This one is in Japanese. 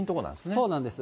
そうなんです。